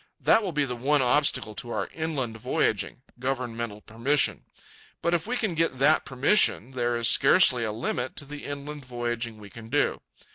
That will be the one obstacle to our inland voyaging—governmental permission. But if we can get that permission, there is scarcely a limit to the inland voyaging we can do.